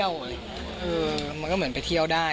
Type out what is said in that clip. เออมันก็เหมือนไปเที่ยวได้